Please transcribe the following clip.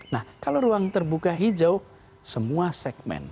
nah kalau ruang terbuka hijau semua segmen